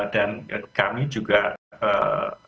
dan kami juga akan terus mengembangkan